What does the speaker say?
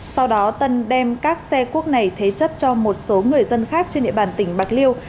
sau đó tân đem các xe cuốc này thế chấp cho một số người dân khác trên địa bàn tỉnh bạc liêu